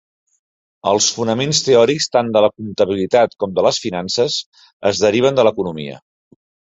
Els fonaments teòrics tant de la comptabilitat com de les finances es deriven de l'economia.